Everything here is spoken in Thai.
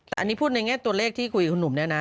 อันนี้พูดในแง่ตัวเลขที่คุยกับนุ่มนี่นะ